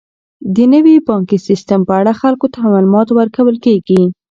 د نوي بانکي سیستم په اړه خلکو ته معلومات ورکول کیږي.